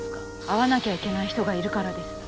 会わなきゃいけない人がいるからです。